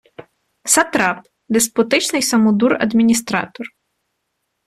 Сатрап — деспотичний самодур-адміністратор